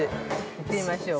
◆行ってみましょうか。